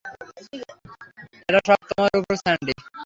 এটা সব তোমার উপর স্যান্ডি।